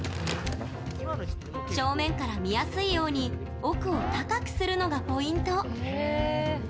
正面から見やすいように奥を高くするのがポイント。